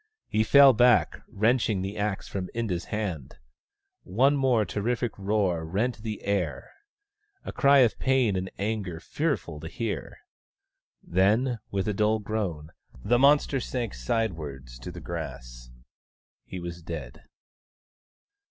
He fell back, wrenching the axe from Inda's hand. One more terrific roar rent the air — a cry of pain and anger fearful to hear. Then, with a dull groan the monster sank sidewards to the grass. He was dead.